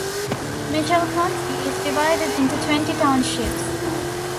Mitchell County is divided into twenty townships.